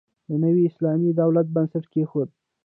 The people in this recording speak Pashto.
د نوي اسلامي دولت بنسټ کېښود.